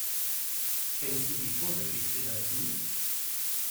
Kennst du die Vorgeschichte dazu?